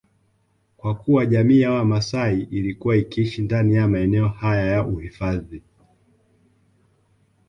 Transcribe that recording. Kwa kuwa jamii ya wamaasai ilikuwa ikiishi ndani ya maeneo haya ya uhifadhi